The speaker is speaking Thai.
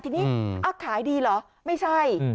ทีนี้ขายดีเหรอไม่ใช่